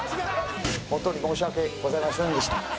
本当に申し訳ございませんでした。